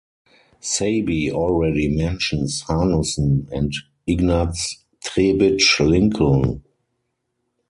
Saby already mentions Hanussen and Ignaz Trebitsch-Lincoln.